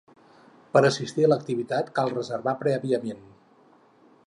Per a assistir a l’activitat cal reservar prèviament.